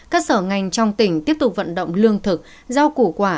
các sở ngành trong tỉnh tiếp tục vận động lương thực giao củ quả